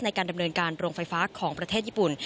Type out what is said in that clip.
ในการดำเนินการโรงไฟฟ้าของประเทศญี่ปุ่น